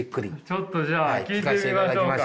ちょっとじゃあ聞いてみましょうか。